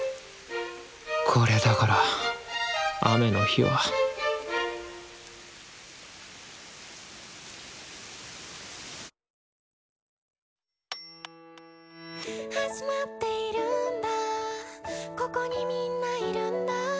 これだから雨の日は「始まっているんだここに皆いるんだ」